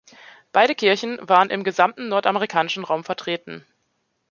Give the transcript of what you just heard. Beide Kirchen waren im gesamten nordamerikanischen Raum vertreten.